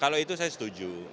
kalau itu saya setuju